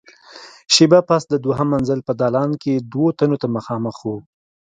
شېبه پس د دويم منزل په دالان کې دوو تنو ته مخامخ وو.